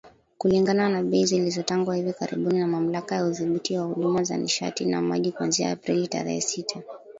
Kulingana na bei zilizotangazwa hivi karibuni na Mamlaka ya Udhibiti wa Huduma za Nishati na Maji kuanzia Aprili tarehe sita.